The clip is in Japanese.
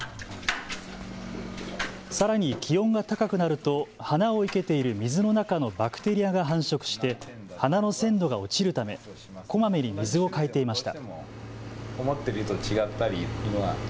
さらに気温が高くなると花を生けている水の中のバクテリアが繁殖して花の鮮度が落ちるためこまめに水を替えていました。